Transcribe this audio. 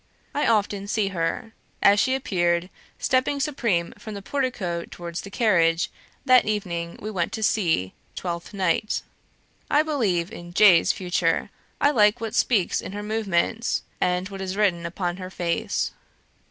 I often see her; as she appeared, stepping supreme from the portico towards the carriage, that evening we went to see 'Twelfth Night.' I believe in J.'s future; I like what speaks in her movements, and what is written upon her face."